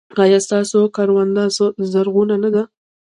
ایا ستاسو کرونده زرغونه نه ده؟